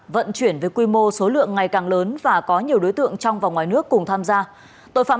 vận chuyển với quy mô số lượng ngày càng lớn và có nhiều đối tượng trong và ngoài nước cùng tham gia tội phạm